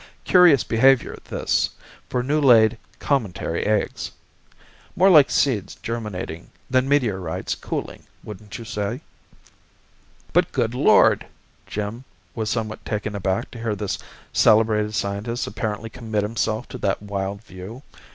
Curious behavior, this, for new laid cometary eggs! More like seeds germinating than meteorites cooling, wouldn't you say?" "But good Lord!" Jim was somewhat taken aback to hear this celebrated scientist apparently commit himself to that wild view.